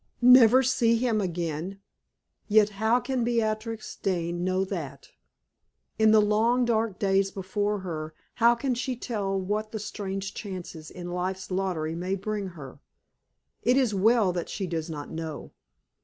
Never see him again? Yet how can Beatrix Dane know that? In the long, dark days before her, how can she tell what the strange chances in life's lottery may bring her? It is well that she does not know.